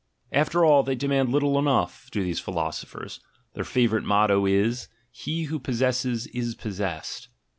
After all, they demand little enough, do these philosophers, their favourite motto is, "He who possesses is possessed."